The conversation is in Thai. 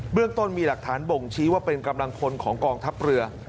เรื่องต้นมีหลักฐานบ่งชี้ว่าเป็นกำลังพลของกองทัพเรือ